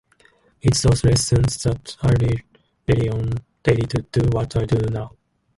It's those lessons that I rely on daily to do what I do now.